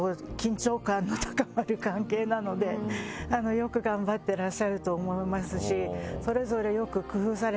よく頑張ってらっしゃると思いますし。